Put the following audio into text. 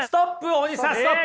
大西さんストップ！